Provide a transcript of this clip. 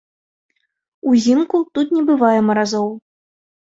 Узімку тут не бывае маразоў.